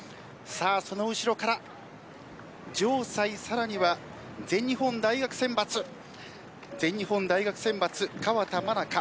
その後ろから城西さらには全日本大学選抜全日本大学選抜川田愛佳